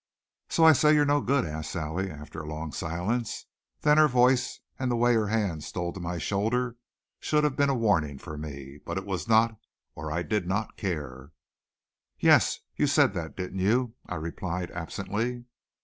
"So I say you're no good?" asked Sally after a long silence. Then her voice and the way her hand stole to my shoulder should have been warning for me. But it was not, or I did not care. "Yes, you said that, didn't you?" I replied absently.